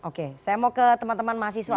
oke saya mau ke teman teman mahasiswa